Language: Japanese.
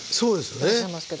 いらっしゃいますけど。